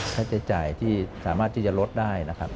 ใช้จ่ายที่สามารถที่จะลดได้นะครับ